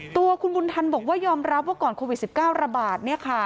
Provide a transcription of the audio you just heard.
ตัวคุณบุญทันบอกว่ายอมรับว่าก่อนโควิด๑๙ระบาด